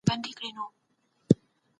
که هغه صبر ونه کړي، ستونزي به لا پسي ډېري سي.